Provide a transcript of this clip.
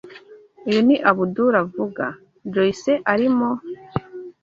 Uyu ni Abdul avuga. Joyce arimo?